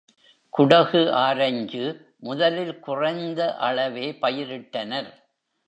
Kodagu orange முதலில் குறைந்த அளவே பயிரிட்டனர்.